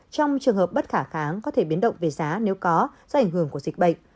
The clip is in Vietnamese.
trong trường hợp bất khả kháng có thể biến động về giá nếu có do ảnh hưởng của dịch bệnh